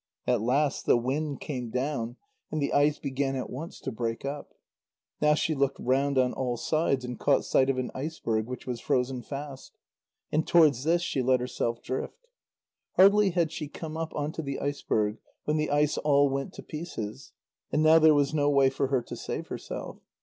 At last the wind came down, and the ice began at once to break up. Now she looked round on all sides, and caught sight of an iceberg which was frozen fast. And towards this she let herself drift. Hardly had she come up on to the iceberg, when the ice all went to pieces, and now there was no way for her to save herself.